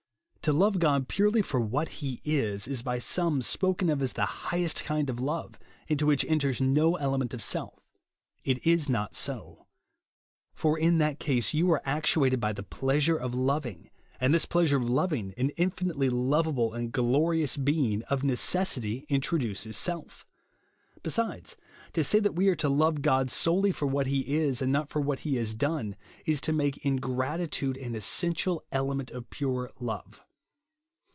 To love God purely for u'hat lis is, is by some spoken of as the highest kind of love, into which enters^ no element of self. It is not sO; For in that case, you are actuated by the pleasure of loving ; and this pleasure of loving an infinitely loveable and glorious Being, of necessity introduces self. Besides, to say that we are to lovo God solely for what he is, and not for what he has done, is to make ingratitude an essential element of pure love.